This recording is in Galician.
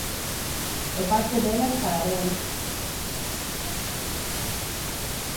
E parte delas para ben.